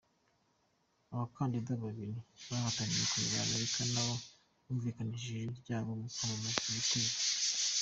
Abakandida babiri bahatanira kuyobora Amerika nabo bumvikanishije ijwi ryabo mu kwamagana ibi bitero.